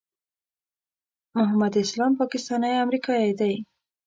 محمد اسلام پاکستانی امریکایی دی.